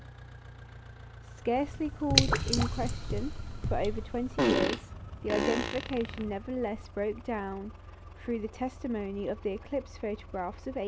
Scarcely called in question for over twenty years, the identification nevertheless broke down through the testimony of the eclipse photographs of 1898.